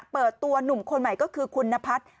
เปิดตัวหนุ่มคนใหม่ก็คือคุณนพัฒน์